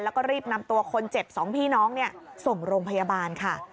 แล้วก็รีบนำตัวคนเจ็บ๒พี่น้องส่งโรงพยาบาลค่ะ